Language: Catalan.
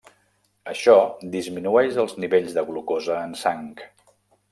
Això disminueix els nivells de glucosa en sang.